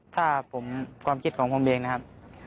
ถ้าผมความคิดของผมเองนะครับ